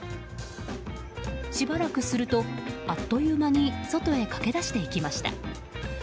しばらくすると、あっという間に外へ駆け出していきました。